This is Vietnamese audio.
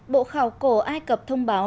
bộ khảo cổ ai cập thông báo